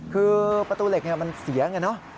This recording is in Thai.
คือประตูเหล็กมันเสียไงเนอะ